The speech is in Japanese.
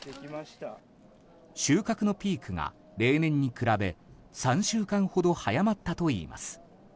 収穫のピークが、例年に比べ３週間ほど早まったといいます。